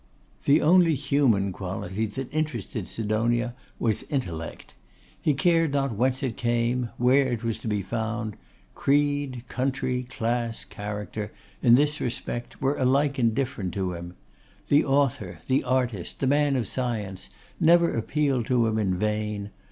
The only human quality that interested Sidonia was Intellect. He cared not whence it came; where it was to be found: creed, country, class, character, in this respect, were alike indifferent to him. The author, the artist, the man of science, never appealed to him in vain.